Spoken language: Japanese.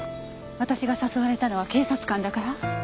私が誘われたのは警察官だから？